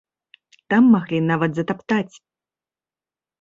Там маглі нават затаптаць.